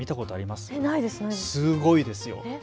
すごいですよ。